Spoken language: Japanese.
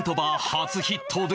初ヒットで